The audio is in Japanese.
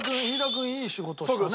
君いい仕事したね。